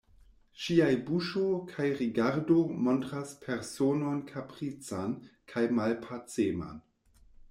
Ŝiaj buŝo kaj rigardo montras personon kaprican kaj malpaceman.